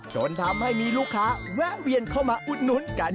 จนทำให้มีลูกค้าแวะเวียนเข้ามาอุดหนุนกัน